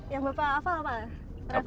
yang bapak hafal pak